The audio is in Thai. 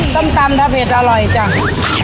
ส้มตำถ้าเผ็ดอร่อยจัง